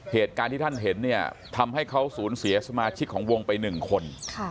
เหตุการณ์ที่ท่านเห็นเนี่ยทำให้เขาสูญเสียสมาชิกของวงไป๑คน